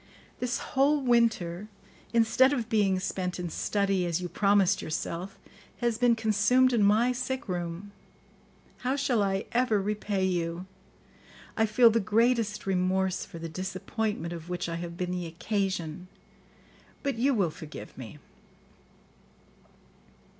This whole winter, instead of being spent in study, as you promised yourself, has been consumed in my sick room. How shall I ever repay you? I feel the greatest remorse for the disappointment of which I have been the occasion, but you will forgive me."